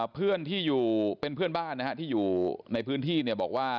เพื่อนที่อยู่เป็นเพื่อนบ้านที่อยู่ในพื้นที่บอกว่า